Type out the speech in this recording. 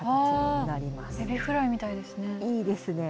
エビフライみたいですね。